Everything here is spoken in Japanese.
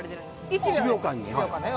１秒間ね。